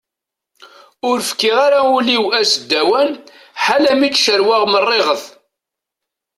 Ur kfiɣ aswir-iw aseddawan ḥala mi tt-cerweɣ merriɣet.